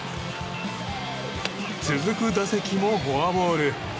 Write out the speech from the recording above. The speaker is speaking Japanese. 続く打席もフォアボール。